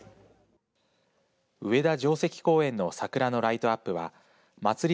上田城跡公園の桜のライトアップは祭り